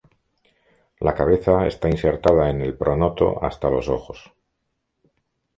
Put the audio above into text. La cabeza está insertada en el pronoto hasta los ojos.